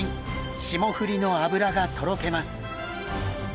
霜降りの脂がとろけます！